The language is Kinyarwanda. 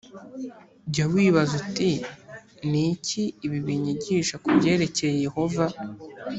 jya wibaza uti ni iki ibi binyigisha ku byerekeye yehova